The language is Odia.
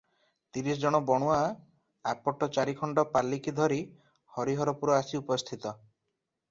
ତିରିଶ ଜଣ ବଣୁଆ ଆପଟ ଚାରିଖଣ୍ଡ ପାଲିକି ଧରି ହରିହରପୁରରୁ ଆସି ଉପସ୍ଥିତ ।